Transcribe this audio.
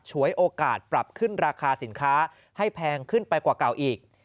ฉวยโอกาสปรับขึ้นราคาสินค้าให้แพงขึ้นไปกว่าเก่าอีก